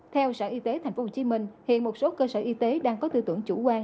theo sở y tế tp hcm hiện một số cơ sở y tế đang có tư tưởng chủ quan